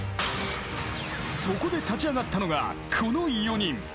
［そこで立ち上がったのがこの４人］